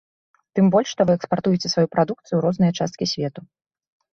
Тым больш што вы экспартуеце сваю прадукцыю ў розныя часткі свету.